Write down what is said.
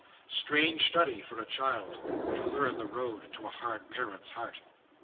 Strange study for a child, to learn the road to a hard parent's heart!